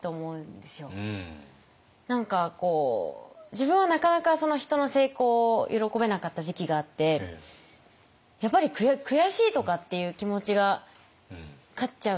自分はなかなか人の成功を喜べなかった時期があってやっぱり悔しいとかっていう気持ちが勝っちゃうんですよ。